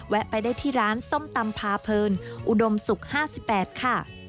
ไปได้ที่ร้านส้มตำพาเพลินอุดมศุกร์๕๘ค่ะ